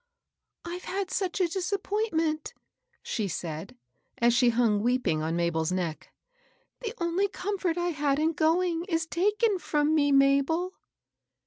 '^ Pve had such a disappointment I " she said, as she hung weeping on Mabel's neck. " The only comfort I had in going is taken from me, Mabel."